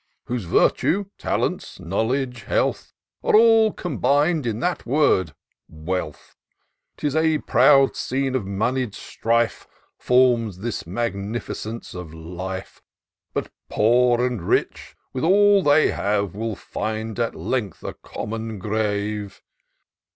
; Whose virtue, talents, knowledge, health, Are all combin d in that word — wealth. 'Tis a proud scene of monied strife Forms this magnificence of life; But poor and rich, with all they have. Will find at length a common grave.